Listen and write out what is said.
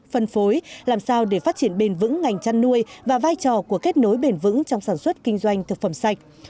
phân phối làm sao để phát triển bền vững ngành chăn nuôi và vai trò của kết nối bền vững trong sản xuất kinh doanh thực phẩm sạch